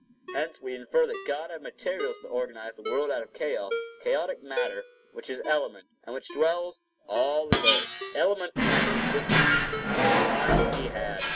5 Hence, we infer that God had materials to organize the world out of chaos—chaotic matter, which is element, and in which dwells all the glory. Element had an existence from the time he had.